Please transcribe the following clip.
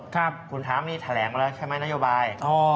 คุณถามนี่แถลงไปแล้วใช่ไหมนโยบาย